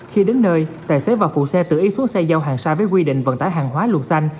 khi đến nơi tài xế và phụ xe tự ý xuống xe giao hàng xa với quy định vận tải hàng hóa luật xanh